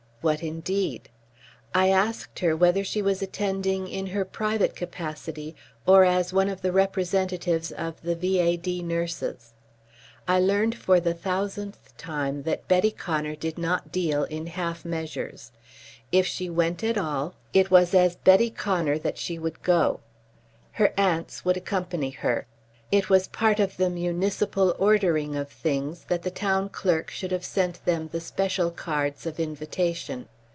What indeed? I asked her whether she was attending in her private capacity or as one of the representatives of the V.A.D. nurses. I learned for the thousandth time that Betty Connor did not deal in half measures. If she went at all, it was as Betty Connor that she would go. Her aunts would accompany her. It was part of the municipal ordering of things that the Town Clerk should have sent them the special cards of invitation.